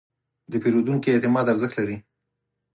د پیرودونکي اعتماد ارزښت لري.